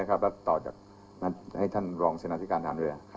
และต่อจากนั้นให้ท่านรองเศรษฐการทางเรือ